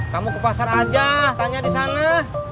kamu ke pasar aja tanya disana